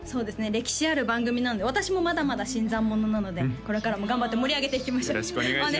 歴史ある番組なので私もまだまだ新参者なのでこれからも頑張って盛り上げていきましょうよろしくお願いします